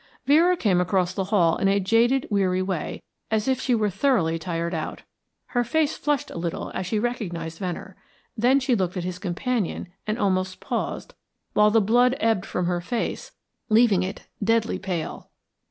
Vera came across the hall in a jaded, weary way, as if she were thoroughly tired out. Her face flushed a little as she recognised Venner. Then she looked at his companion and almost paused, while the blood ebbed from her face, leaving it deadly pale.